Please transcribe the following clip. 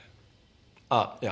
あっいや